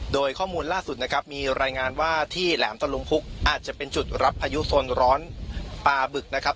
โดยข้อมูลล่าสุดนะครับมีรายงานว่าที่แหลมตะลุมพุกอาจจะเป็นจุดรับพายุโซนร้อนปลาบึกนะครับ